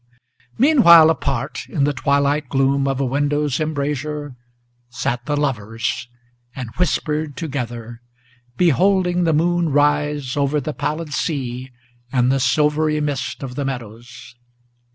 Meanwhile apart, in the twilight gloom of a window's embrasure, Sat the lovers, and whispered together, beholding the moon rise Over the pallid sea and the silvery mist of the meadows.